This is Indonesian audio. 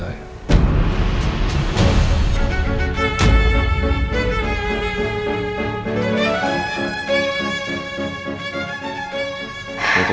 itulah yang ingin anda perceraikan